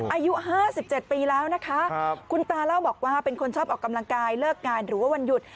อายุ๕๗ปีแล้วนะคะคุณตาเล่าบอกว่าเป็นคนชอบออกกำลังกายเลิกงานหรือว่าวันหยุด